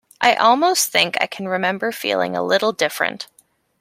I almost think I can remember feeling a little different.